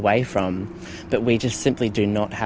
tapi kami tidak memiliki uangnya